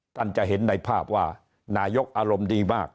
ท่านจะเห็นในภาพว่านายกอารมณ์ดีมาก